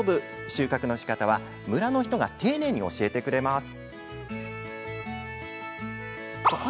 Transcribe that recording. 収穫のしかたは村の人が丁寧に教えてくれます。